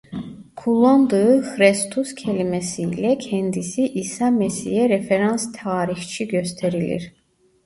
Kullandığı "Chrestus"kelimesi ile kendisi İsa Mesih'e referans tarihçi gösterilir.